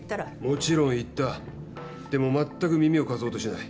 もちろん言ったでも全く耳を貸そうとしない。